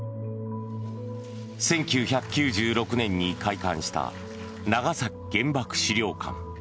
１９９６年に開館した長崎原爆資料館。